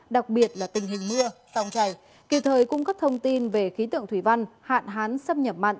đặc biệt là tình hình mưa song chày kỳ thời cung cấp thông tin về khí tượng thủy văn hạn hán xâm nhập mặn